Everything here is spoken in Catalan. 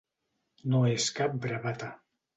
No és cap bravata.